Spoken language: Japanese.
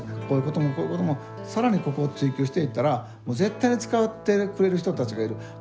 こういうこともこういうことも更にここを追求していったら絶対に使ってくれる人たちがいる。